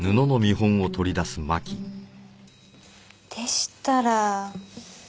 でしたら。